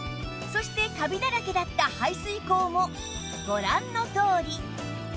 そしてカビだらけだった排水口もご覧のとおり